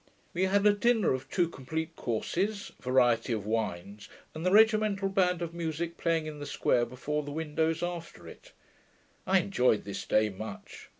We had a dinner of two complete courses, variety of wines, and the regimental band of musick playing in the square, before the window, after it. I enjoyed this day much.